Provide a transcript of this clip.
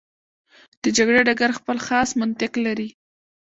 د جګړې ډګر خپل خاص منطق لري.